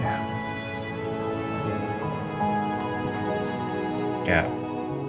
kamu mau ke kamar catherine